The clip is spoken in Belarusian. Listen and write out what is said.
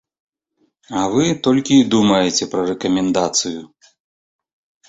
А вы толькі і думаеце пра рэкамендацыю.